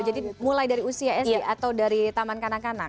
jadi mulai dari usia sd atau dari taman kanak kanak